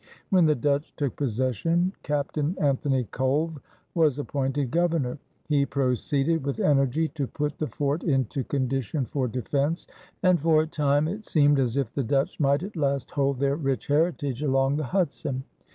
When the Dutch took possession, Captain Anthony Colve was appointed Governor. He proceeded with energy to put the fort into condition for defense, and for a time it seemed as if the Dutch might at last hold their rich heritage along the Hudson.